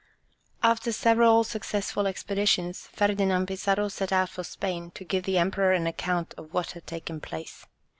After several successful expeditions, Ferdinand Pizarro set out for Spain, to give the Emperor an account of what had taken place.